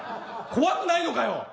怖くないのかよ！？